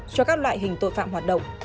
cho các loại hình tội phạm hoạt động